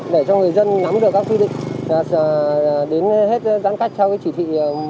để cho người dân nắm được các quy định đến hết giãn cách cho chỉ thị một mươi sáu